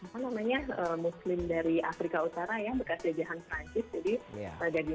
jadi kalau makanan halal makanan halal kurma apa itu sangat mudah di